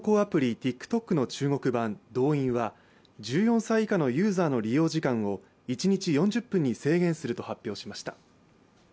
・ＴｉｋＴｏｋの中国版ドウインは１４歳以下のユーザーの利用時間を一日４０分に制限すると発表しました。